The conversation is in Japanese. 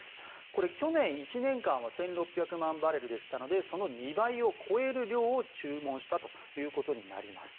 これ、去年１年間は１６００万バレルでしたのでその２倍を超える量を注文したということになります。